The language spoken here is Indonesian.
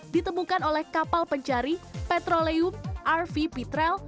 ditemukan oleh kapal pencari petroleum rv pitral